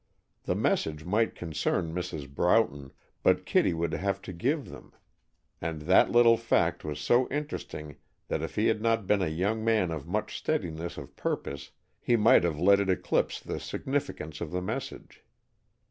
The messages might concern Mrs. Broughton, but Kittie would have to give them, and that little fact was so interesting that if he had not been a young man of much steadiness of purpose, he might have let it eclipse the significance of the message.